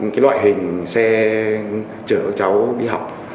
cái loại hình xe chở các cháu đi học